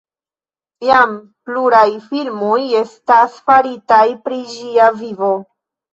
Jam pluraj filmoj estas faritaj pri ĝia vivo.